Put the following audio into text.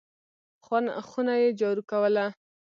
خونه یې جارو کوله !